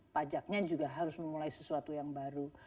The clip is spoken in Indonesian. pajaknya juga harus memulai sesuatu yang baru